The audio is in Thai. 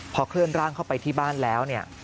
พอเคลื่อนร่างเข้าไปที่บ้านแล้วเนี่ย